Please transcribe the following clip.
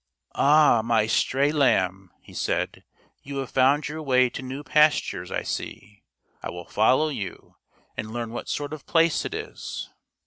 " Ah, my stray lamb," he said, " you have found your way to new pastures, I see. I will follow you and learn what sort of place it is."